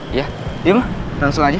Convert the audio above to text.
iya yuk langsung aja